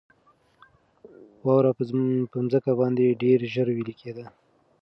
واوره په مځکه باندې ډېره ژر ویلي کېده.